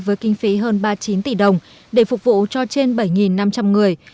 với kinh phí hơn ba mươi chín tỷ đồng để phục vụ cho trên bảy năm trăm linh người